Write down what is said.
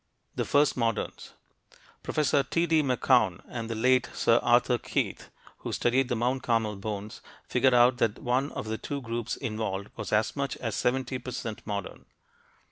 THE FIRST MODERNS Professor T. D. McCown and the late Sir Arthur Keith, who studied the Mount Carmel bones, figured out that one of the two groups involved was as much as 70 per cent modern.